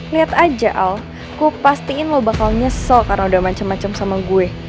lihat aja al ku pastiin lo bakal nyesel karena udah macem macem sama gue